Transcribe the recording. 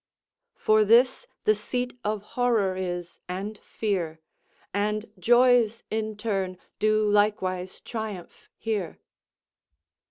"For this the seat of horror is and fear, And joys in turn do likewise triumph here."